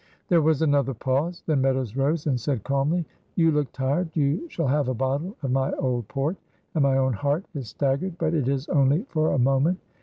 There was another pause. Then Meadows rose and said calmly: "You look tired, you shall have a bottle of my old port; and my own heart is staggered, but it is only for a moment."